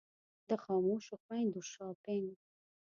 د خاموشو خویندو شاپنګ.